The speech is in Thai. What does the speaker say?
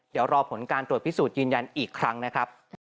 เดี๋ยวรอผลการตรวจพิสูจน์ยืนยันอีกครั้งนะครับ